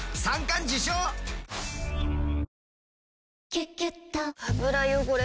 「キュキュット」油汚れ